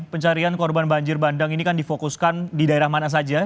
pencarian korban banjir bandang ini kan difokuskan di daerah mana saja